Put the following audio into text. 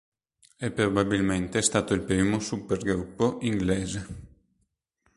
È probabilmente stato il primo "supergruppo" inglese.